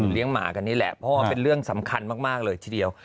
หมากันนี่แหละเพราะว่าเป็นเรื่องสำคัญมากเลยทีเดียว